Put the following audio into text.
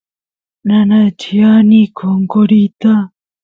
nanachiani qonqoriyta